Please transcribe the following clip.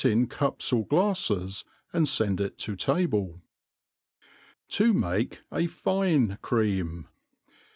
» cups or glaflfea, and fend it to table. To maki a fine Cream.